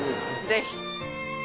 ぜひ。